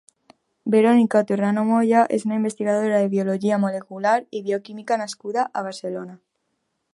Verónica Torrano Moya és una investigadora en biologia molecular i bioquímica nascuda a Barcelona.